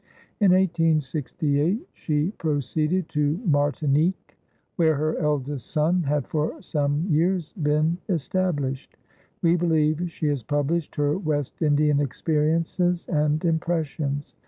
In 1868 she proceeded to Martinique, where her eldest son had for some years been established. We believe she has published her West Indian experiences and impressions.